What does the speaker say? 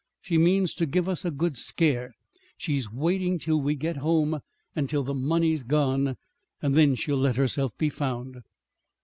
She means to give us a good scare. She's waiting till we get home, and till the money's gone. Then she'll let herself be found."